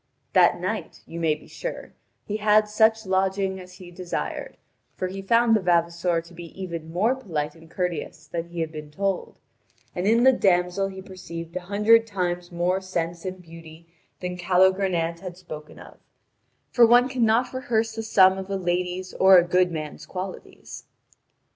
That night, you may be sure, he had such lodging as he desired, for he found the vavasor to be even more polite and courteous than he had been told, and in the damsel he perceived a hundred times more sense and beauty than Calogrenant had spoken of, for one cannot rehearse the sum of a lady's or a good man's qualities.